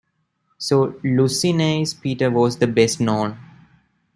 So Lucenay's Peter was the best known.